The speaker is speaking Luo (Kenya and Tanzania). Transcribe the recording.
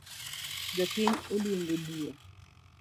Jopiny oluongo bura